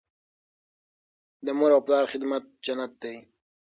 د مور او پلار خدمت جنت دی.